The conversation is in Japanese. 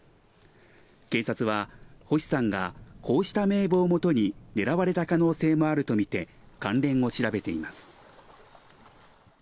警察は星さんがこうした名簿をもとに狙われた可能性もあるとみて関連を調べています。